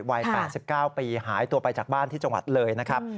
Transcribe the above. วัย๘๙ปีหายตัวไปจากบ้านที่จังหวัดเลยนะครับ